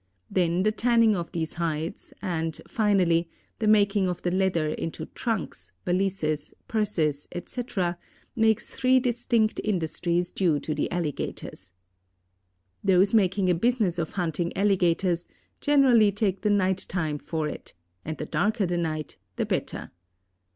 Then the tanning of these hides and, finally, the making of the leather into trunks, valises, purses, etc., makes three distinct industries due to the alligators. Those making a business of hunting alligators generally take the night time for it, and the darker the night, the better.